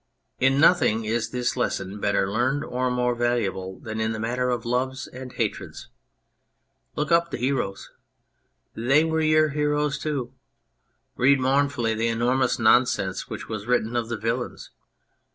In nothing is this lesson better learned or more valuable than in the matter of loves and hatreds. Look up the heroes. They were your heroes too. Read mournfully the enormous nonsense which was written of the villains.